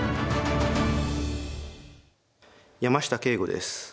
山下敬吾です。